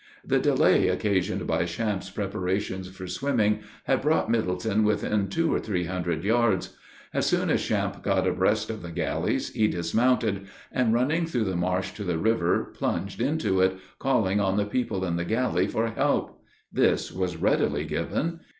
The delay occasioned by Champe's preparations for swimming had brought Middleton within two or three hundred yards. As soon as Champe got abreast of the galleys, he dismounted, and running through the marsh to the river, plunged into it, calling on the people in the galley for help. This was readily given.